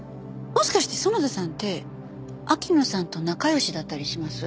もしかして園田さんって秋野さんと仲良しだったりします？